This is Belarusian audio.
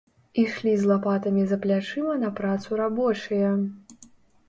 Ішлі з лапатамі за плячыма на працу рабочыя.